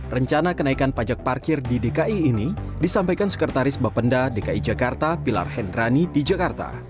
rencana kenaikan pajak parkir di dki ini disampaikan sekretaris bapenda dki jakarta pilar hendrani di jakarta